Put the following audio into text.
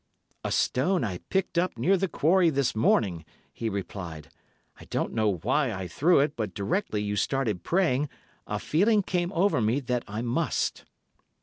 '" "'A stone I picked up near the quarry this morning,' he replied. 'I don't know why I threw it, but directly you started praying, a feeling came over me that I must.